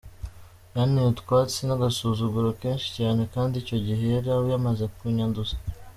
Yanteye utwatsi n’agasuzuguro kenshi cyane, kandi icyo gihe yari yamaze kunyanduza.